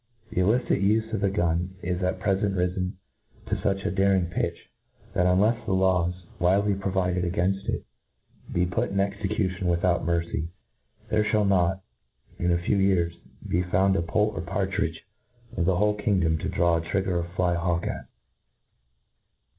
The illicit ufe of the gun is at prefent rifen to fuch a during pitch, tJiat, unleJTs the laws, wifely provided againft it,^ be put in execution without mercy, there ihall not, in, a few years, be found a poult or par tridge iathe whole kingdom to draw a trigger or fly a hawk at.